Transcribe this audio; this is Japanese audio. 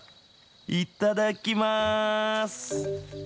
いただきます。